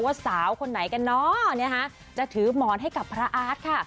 ว่าสาวที่ไหนกันน้อจะถือหมอนให้กับพระอาจค่ะ